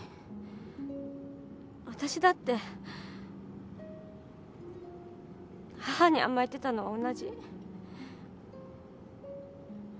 わたしだって母に甘えてたのは同じ。